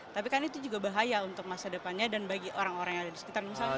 tapi kan itu juga bahaya untuk masa depannya dan bagi orang orang yang ada di sekitar misalnya